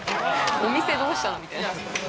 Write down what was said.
お店どうしたの？みたいな。